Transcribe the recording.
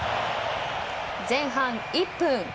前半１分。